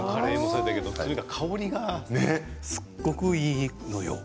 香りがすごくいいのよ。